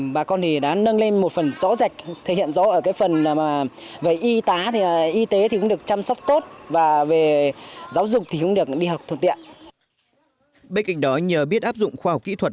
bên cạnh đó nhờ biết áp dụng khoa học kỹ thuật